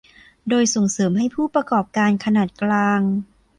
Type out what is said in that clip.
โดยส่งเสริมให้ผู้ประกอบการขนาดกลาง